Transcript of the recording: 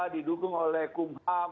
didukung oleh kumham